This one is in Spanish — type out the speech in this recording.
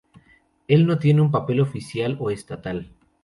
Él no tiene un papel oficial o estatal.